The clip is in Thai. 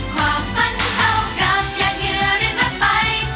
ความฝันเข้ากับอย่างเหนือเร่นราดไป